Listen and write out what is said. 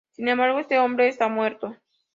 Sin embargo, ese hombre está muerto.